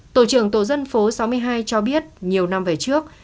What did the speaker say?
tổ trưởng tổ dân phố sáu mươi hai cho biết nhiều năm về trước